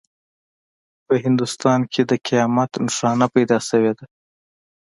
په هندوستان کې د قیامت نښانه پیدا شوې ده.